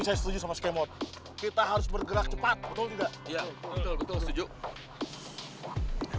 saya setuju sama skemot kita harus bergerak cepat betul tidak betul betul setuju